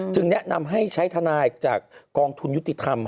แนะนำให้ใช้ทนายจากกองทุนยุติธรรม